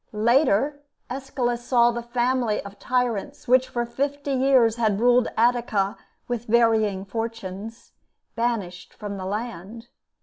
Later, Aeschylus saw the family of tyrants, which for fifty years had ruled Attica with varying fortunes, banished from the land.